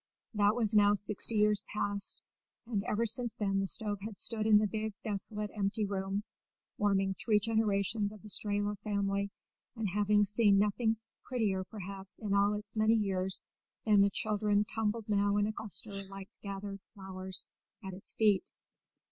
That was now sixty years past, and ever since then the stove had stood in the big desolate empty room, warming three generations of the Strehla family, and having seen nothing prettier perhaps in all its many years than the children tumbled now in a cluster like gathered flowers at its feet.